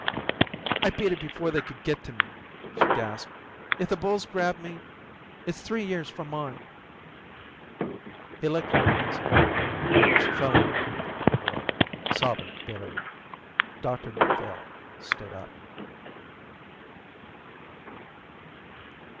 "I beat it before they could get me," she gasped. "If the bulls grab me it's three years for mine." He let go his hold of her and she fell in a heap on the floor, sobbing bitterly. Dr Macphail stood up.